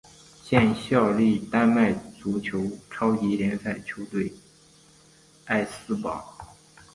现效力丹麦足球超级联赛球队艾斯堡。